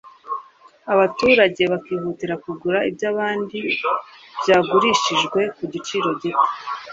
abaturage bakihutira kugura iby'ahandi byagurishijwe ku giciro gito.